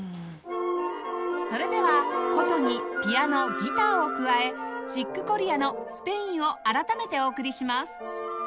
それでは箏にピアノギターを加えチック・コリアの『スペイン』を改めてお送りします